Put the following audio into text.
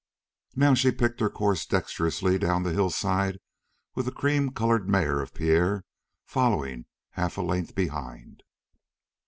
Now she picked her course dexterously down the hillside with the cream colored mare of Pierre following half a length behind.